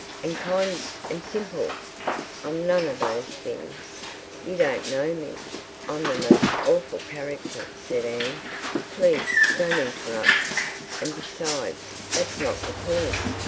and kind and simple. I'm none of those things. You don't know me. I'm the most awful character," said Anne. "Please don't interrupt. And besides, that's not the point.